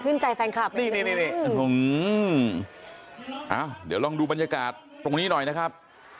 ชื่นใจแฟนคลับนี่นี่นี่นี่โอ้โหอ่าเดี๋ยวลองดูบรรยากาศตรงนี้หน่อยนะครับ